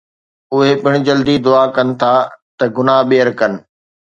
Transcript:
اهي پڻ جلدي دعا ڪن ٿا ته گناهه ٻيهر ڪن